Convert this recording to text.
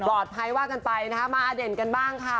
พอดภัยว่ากันไปมาอเด็นกันบ้างค่ะ